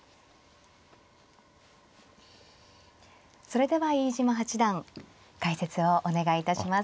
それでは飯島八段解説をお願いいたします。